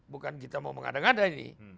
bukan kita mau mengadang adang ini